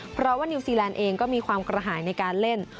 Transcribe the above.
เพราะว่านิวซีแลนด์เองก็มีความกระหายในการเล่น